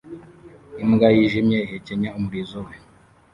imbwa yijimye ihekenya umurizo we